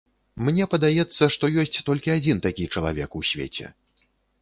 Мне падаецца, што ёсць толькі адзін такі чалавек у свеце.